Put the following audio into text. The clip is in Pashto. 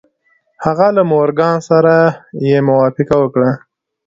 هغه له مورګان سره يې موافقه وکړه.